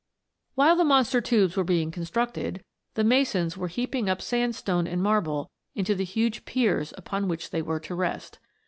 While the monster tubes were being constructed, the masons were heaping up sandstone and marble into the huge piers upon which they were to rest.